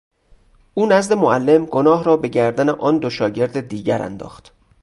او نزد معلم گناه را به گردن آن دو شاگرد دیگر انداخت.